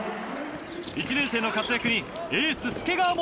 １年生の活躍にエース介川も。